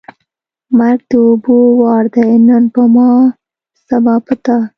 ـ مرګ د اوبو وار دی نن په ما ، سبا په تا.